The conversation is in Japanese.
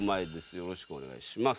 よろしくお願いします。